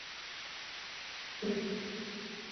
裂叶翼首花为川续断科翼首花属下的一个种。